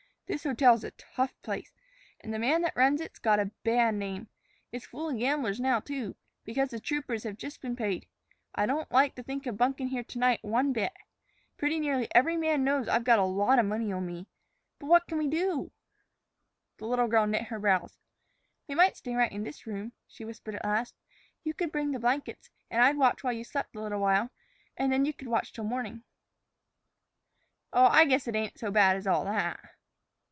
This hotel's a tough place, and the man that runs it 's got a bad name. It's full of gamblers now, too, because the troopers have just been paid. I don't like to think of bunkin' here to night one bit. Pretty nearly every man knows I've got a lot of money on me. But what c'n we do?" The little girl knit her brows. "We might stay right in this room," she whispered at last. "You could bring in the blankets and I'd watch while you slept a little while; and then you could watch till morning." "Oh, I guess it ain't so bad as all that."